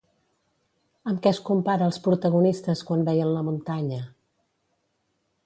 Amb què es compara els protagonistes quan veien la muntanya?